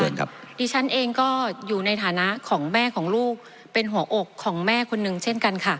ดิฉันเองก็อยู่ในฐานะของแม่ของลูกเป็นหัวอกของแม่คนนึงเช่นกันค่ะ